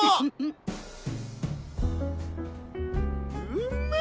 うめ！